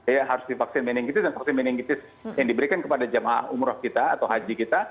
ya harus divaksin meningitis dan vaksin meningitis yang diberikan kepada jemaah umroh kita atau haji kita